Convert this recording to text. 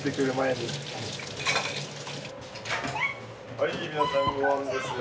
はい皆さんごはんですよ。